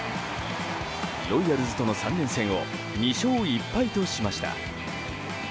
ロイヤルズとの３連戦を２勝１敗としました。